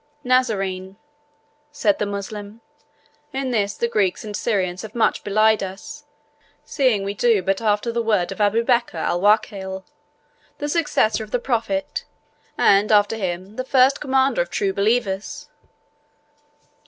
"Nazarene," said the Moslem, "in this the Greeks and Syrians have much belied us, seeing we do but after the word of Abubeker Alwakel, the successor of the Prophet, and, after him, the first commander of true believers.